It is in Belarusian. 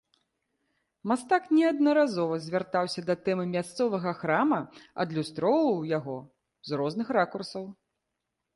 Мастак неаднаразова звяртаўся да тэмы мясцовага храма, адлюстроўваў яго з розных ракурсаў.